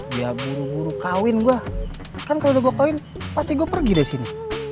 dia buru buru kawin gue kan kalau udah gue kawin pasti gue pergi dari sini